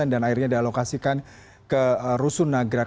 dan akhirnya di alokasikan ke rusun nagrak